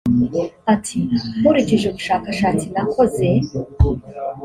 Ati "Nkurikije ubushakashatsi nakoze